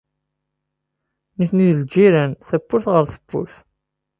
Nitni d ljiran tawwurt ɣer tewwurt.